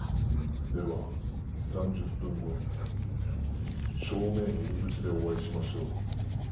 では３０分後に正面入り口でお会いしましょう。